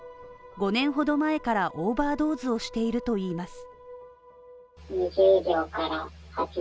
５年ほど前からオーバードーズをしているといいます。